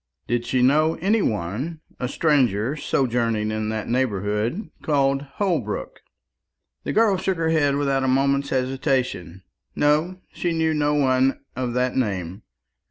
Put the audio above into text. Did she know any one, a stranger, sojourning in that neighbourhood called Holbrook? The girl shook her head without a moment's hesitation. No, she knew no one of that name.